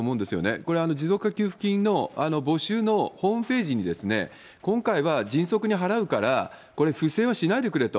これ、持続化給付金の募集のホームページにですね、今回は迅速に払うから、これ不正はしないでくれと。